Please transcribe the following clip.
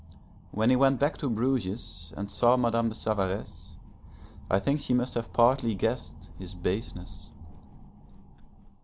When he went back to Bruges, and saw Madame de Savaresse, I think she must have partly guessed his baseness.